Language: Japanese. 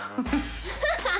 ハハハ